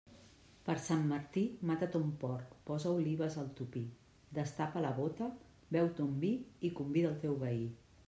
Per Sant Martí mata ton porc, posa olives al topí, destapa la bóta, beu ton vi i convida el teu veí.